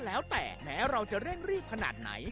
แล้วแต่แม้เราจะเร่งรีบขนาดไหน